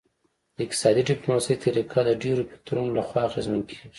د اقتصادي ډیپلوماسي طریقه د ډیرو فکتورونو لخوا اغیزمن کیږي